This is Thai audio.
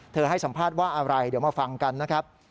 ให้สัมภาษณ์ว่าอะไรเดี๋ยวมาฟังกันนะครับ